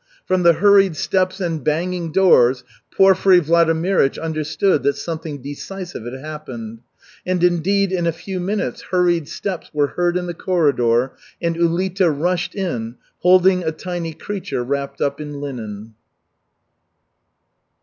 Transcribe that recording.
From the hurried steps and banging doors, Porfiry Vladimirych understood that something decisive had happened. And, indeed, in a few minutes hurried steps were heard in the corridor, and Ulita rushed in holding a tiny creature wrapped up in linen.